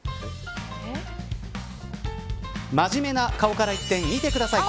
真面目な顔から一転見てください。